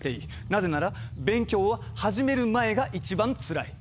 なぜなら勉強は始める前が一番つらい。